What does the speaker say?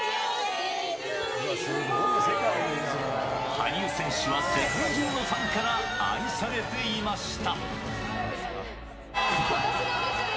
羽生選手は世界中のファンから愛されていました。